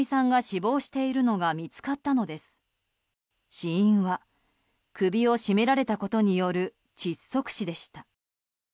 死因は首を絞められたことによる窒息死でした。